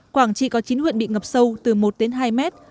quảng trị có chín huyện bị ngập sâu từ một đến hai mét